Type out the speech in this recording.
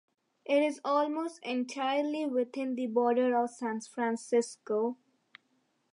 It is almost entirely within the borders of San Francisco.